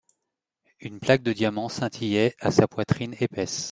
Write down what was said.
Une plaque de diamants scintillait à sa poitrine épaisse.